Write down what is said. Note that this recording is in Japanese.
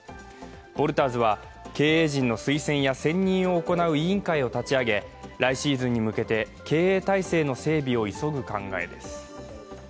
ヴォルタ−ズは、経営陣の推薦や選任を行う委員会を立ち上げ来シーズンに向けて経営体制の整備を急ぐ考えです。